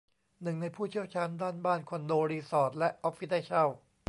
หนึ่งในผู้เชี่ยวชาญด้าน บ้าน คอนโด รีสอร์ท และออฟฟิศให้เช่า